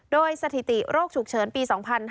โดยสถิติโรคฉุกเฉินปี๒๕๕๙